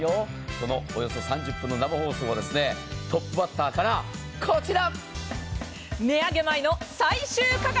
このおよそ３０分の生放送、トップバッターからこちら。